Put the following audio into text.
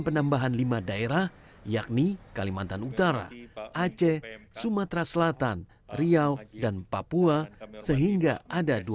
penambahan lima daerah yakni kalimantan utara aceh sumatera selatan riau dan papua sehingga ada